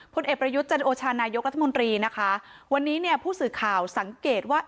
ผลเอกประยุทธ์จันโอชานายกรัฐมนตรีนะคะวันนี้เนี่ยผู้สื่อข่าวสังเกตว่า